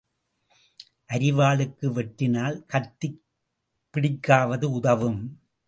அரிவாளுக்கு வெட்டினால் கத்திப் பிடிக்காவது உதவும்.